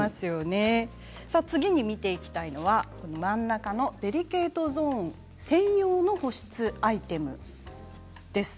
次は真ん中のデリケートゾーン専用の保湿アイテムです。